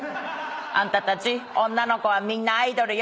あんたたち女の子はみんなアイドルよ。